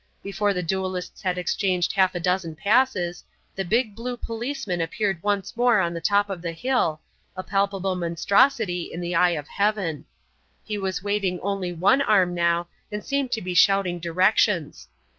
Before the duellists had exchanged half a dozen passes, the big, blue policeman appeared once more on the top of the hill, a palpable monstrosity in the eye of heaven. He was waving only one arm now and seemed to be shouting directions.